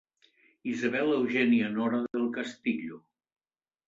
Isabel Eugènia Nora del Castillo.